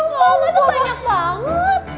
bapak tuh banyak banget